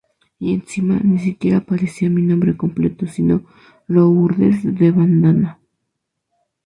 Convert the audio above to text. Y encima ni siquiera aparecía mi nombre completo sino Lourdes de Bandana.